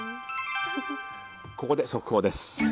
ここで、速報です。